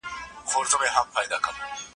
مشرانو به د ملي ثبات لپاره خپل نظرونه شریکول.